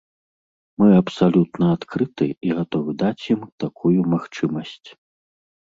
Мы абсалютна адкрыты і гатовы даць ім такую магчымасць.